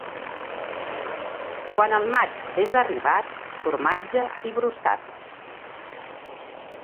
Quan el maig és arribat, formatge i brossat.